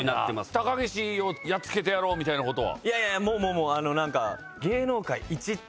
高岸をやっつけてやろう！みたいなことは？